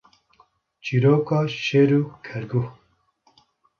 Çîroka Şêr û Kerguh